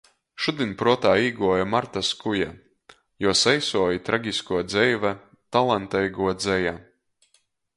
Šudiņ pruotā īguoja Marta Skuja, juos eisuo i tragiskuo dzeive, talanteiguo dzeja.